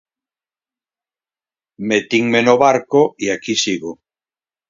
Metinme no barco e aquí sigo.